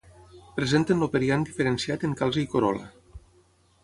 Presenten el periant diferenciat en calze i corol·la.